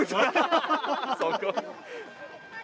そこ？